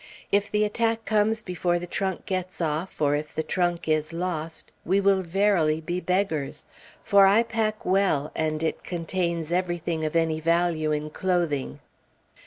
If the attack comes before the trunk gets off, or if the trunk is lost, we will verily be beggars; for I pack well, and it contains everything of any value in clothing.